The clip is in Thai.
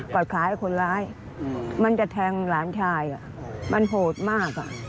กอดขาให้คนร้ายมันจะแทงหลานชายอ่ะมันโหดมากอ่ะ